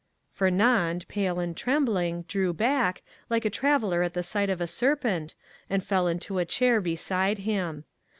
Fernand, pale and trembling, drew back, like a traveller at the sight of a serpent, and fell into a chair beside him.